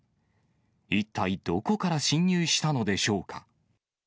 一体どこから侵入したのでしょうか。